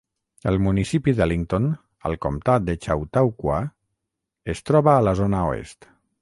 El municipi d"Ellington al comtat de Chautauqua es troba a la zona oest.